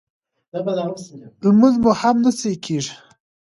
لمونځ مو هم نه صحیح کېږي